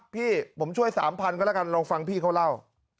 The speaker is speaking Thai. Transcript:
พี่ผมช่วย๓๐๐ก็แล้วกันลองฟังพี่เขาเล่า